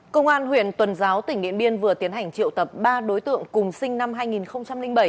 công an huyện tuần giáo tỉnh điện biên vừa tiến hành triệu tập ba đối tượng cùng sinh năm hai nghìn bảy